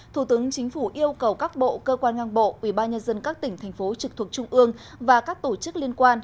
thủ tướng chính phủ yêu cầu các bộ cơ quan ngang bộ ubnd các tỉnh thành phố trực thuộc trung ương và các tổ chức liên quan